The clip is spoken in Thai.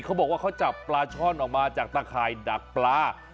เขาบอกว่าเขาจับปลาช่อนออกมาจากตะข่ายดักปลา